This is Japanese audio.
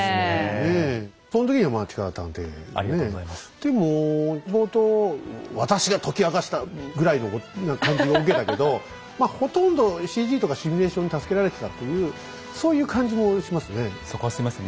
でも冒頭「私が解き明かした」ぐらいの感じを受けたけどまあほとんどＣＧとかシミュレーションに助けられてたっていうそういう感じもしますね。